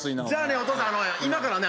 お父さん今からね